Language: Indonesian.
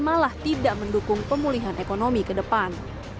malah tidak mendukung pemulihan ekonomi ke depan